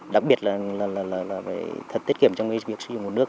đặc biệt là tiết kiệm trong việc sử dụng nguồn nước